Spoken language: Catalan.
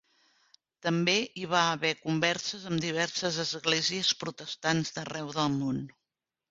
També hi va haver converses amb diverses esglésies protestants d'arreu del món.